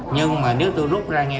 nhưng mà nếu tôi rút ra nghe